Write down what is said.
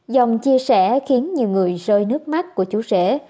dòng chia sẻ khiến nhiều người rơi nước mắt của chú rể